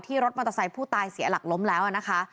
รถมอเตอร์ไซค์ผู้ตายเสียหลักล้มแล้วนะคะ